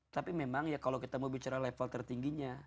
tapi memang ya kalau kita mau bicara level tertingginya